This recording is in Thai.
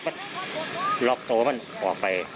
ปัดล็อกโตมันออกไป